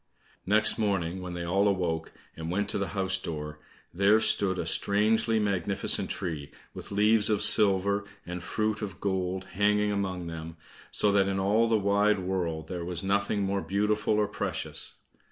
Next morning, when they all awoke, and went to the house door, there stood a strangely magnificent tree with leaves of silver, and fruit of gold hanging among them, so that in all the wide world there was nothing more beautiful or precious.